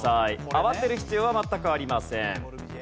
慌てる必要は全くありません。